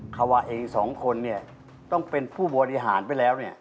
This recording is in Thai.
เขาว่าเองสองคนเนี่ยต้องเป็นผู้บริหารไปแล้วเนี่ย